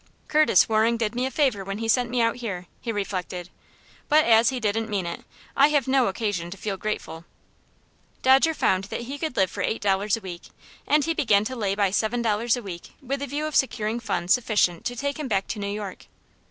"Curtis Waring did me a favor when he sent me out here," he reflected; "but as he didn't mean it, I have no occasion to feel grateful." Dodger found that he could live for eight dollars a week, and he began to lay by seven dollars a week with the view of securing funds sufficient to take him back to New York.